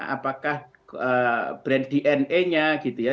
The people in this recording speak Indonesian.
apakah brand dna nya